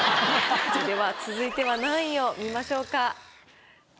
では続いては何位を見ましょうか？